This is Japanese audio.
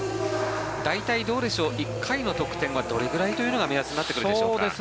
大体どうでしょう１回の得点はどれくらいというのが目安になってくるでしょうか。